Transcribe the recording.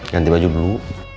ganti baju dulu